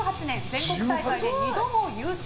全国大会で２度の優勝。